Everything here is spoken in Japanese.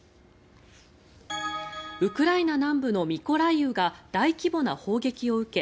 ウクライナ南部のミコライウが大規模な砲撃を受け